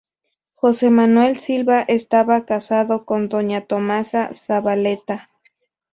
Jose Manuel Silva estaba casado con Doña Tomasa Zavaleta.